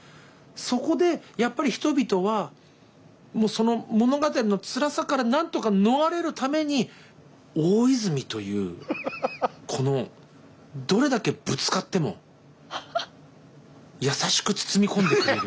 そこでやっぱり人々はその物語のつらさからなんとか逃れるために大泉というこのどれだけぶつかっても優しく包み込んでくれる。